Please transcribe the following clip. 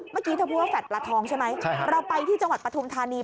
เมื่อกี้เธอพูดว่าแฟลตปลาทองใช่ไหมเราไปที่จังหวัดปฐุมธานี